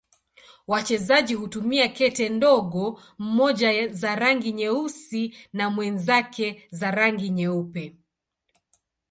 Wachezaji hutumia kete ndogo, mmoja za rangi nyeusi na mwenzake za rangi nyeupe.